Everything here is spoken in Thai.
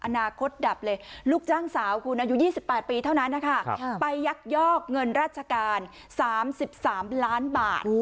อนาคตดับเลยลูกจ้างสาวคุณอายุ๒๘ปีเท่านั้นนะคะไปยักยอกเงินราชการ๓๓ล้านบาท